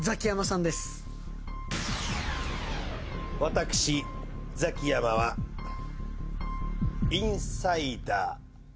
私ザキヤマはインサイダー。